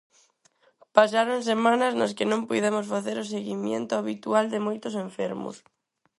Pasaron semanas nas que non puidemos facer o seguimento habitual de moitos enfermos.